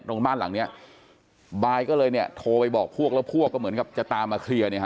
ตรงบ้านหลังเนี้ยบายก็เลยเนี่ยโทรไปบอกพวกแล้วพวกก็เหมือนกับจะตามมาเคลียร์เนี่ยฮะ